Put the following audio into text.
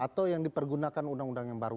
atau yang dipergunakan undang undang yang baru